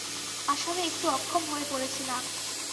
আসামে একটু অক্ষম হয়ে পড়েছিলাম।